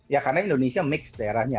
ya karena indonesia mix daerahnya